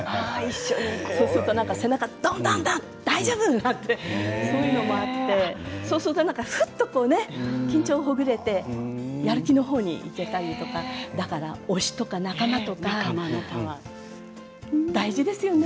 そうすると背中をドンドンドン大丈夫みたいなのもあってそうするとふっと緊張がほぐれてやる気の方にいけたりとかだから推しとか仲間とか大事ですよね。